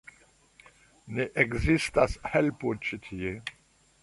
Ne ekzistas helpo ĉi tie.